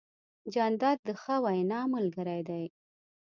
جانداد د ښه وینا ملګری دی.